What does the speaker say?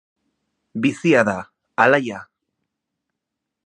Bizia da, alaia.